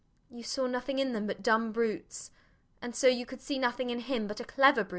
You saw nothing in them but dumb brutes; and so you could see nothing in him but a clever brute.